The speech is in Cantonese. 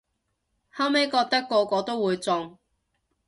後咪覺得個個都會中